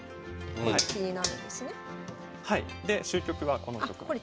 で終局はこの局面です。